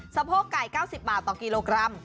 สะโพกไก่๙๐บาทต่อกิโลกรัม